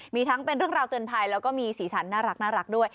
มีทั้งเป็นเรื่องราวเตือนภัยแล้วก็มีสีสันน่ารักด้วย